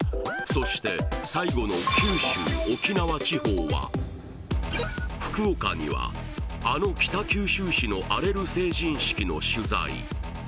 そして最後の九州・沖縄地方は福岡にはあの北九州市の荒れる成人式の取材